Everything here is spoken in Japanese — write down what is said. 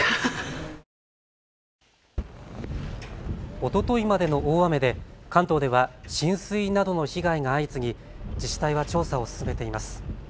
おとといまでの大雨で関東では浸水などの被害が相次ぎ自治体は調査を進めています。